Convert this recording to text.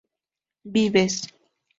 vives